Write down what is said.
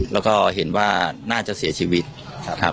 แล้วก็เห็นว่าน่าจะเสียชีวิตครับ